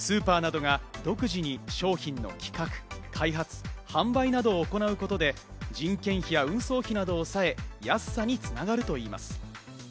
スーパーなどが独自に商品の企画、開発、販売などを行うことで、人件費や運送費などを抑え、安さに繋がるといいます。